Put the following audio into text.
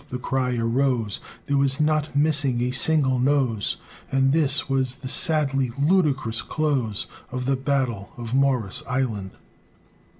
the cry arose; There was not missing a single nose, And this was the sadly ludicrous close Of the battle of Morris' Island.